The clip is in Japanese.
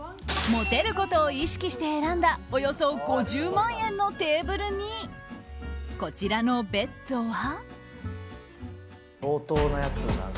モテることを意識して選んだおよそ５０万円のテーブルにこちらのベッドは。